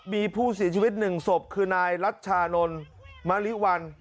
มีผู้เสียชีวิตหนึ่งศพคือนายรัชชานนท์มะลิวัน